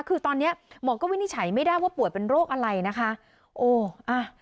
คือตอนเนี้ยหมอก็วินิจฉัยไม่ได้ว่าป่วยเป็นโรคอะไรนะคะโอ้อ่ะ